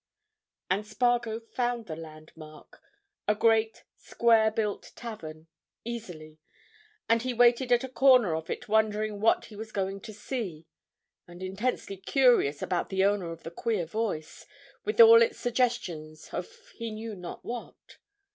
And Spargo found the landmark—a great, square built tavern—easily, and he waited at a corner of it wondering what he was going to see, and intensely curious about the owner of the queer voice, with all its suggestions of he knew not what.